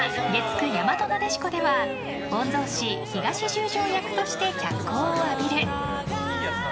９「やまとなでしこ」では御曹司・東十条役として脚光を浴びる！